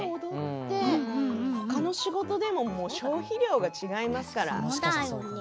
ほかの仕事でも消費量が違いますからね。